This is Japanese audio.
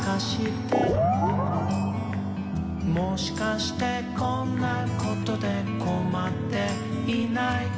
「もしかしてこんなことでこまっていない？」